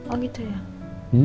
oh gitu ya